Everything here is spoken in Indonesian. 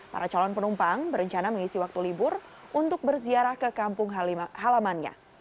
para calon penumpang berencana mengisi waktu libur untuk berziarah ke kampung halamannya